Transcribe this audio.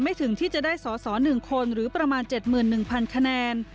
ไม่ถึงที่จะได้สอหนึ่งคนหรือประมาณ๗๑๐๐๐คะแนน